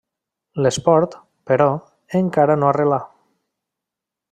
L'esport, però, encara no arrelà.